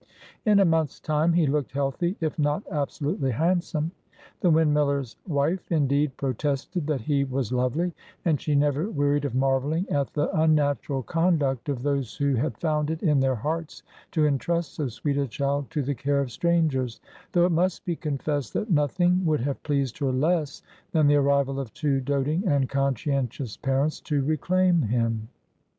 In a month's time he looked healthy, if not absolutely handsome. The windmiller's wife, indeed, protested that he was lovely, and she never wearied of marvelling at the unnatural conduct of those who had found it in their hearts to intrust so sweet a child to the care of strangers; though it must be confessed that nothing would have pleased her less than the arrival of two doting and conscientious parents to reclaim him.